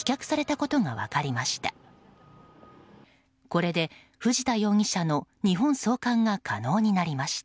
これで藤田容疑者の日本送還が可能になりました。